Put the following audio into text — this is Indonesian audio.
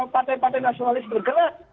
partai partai nasionalis bergerak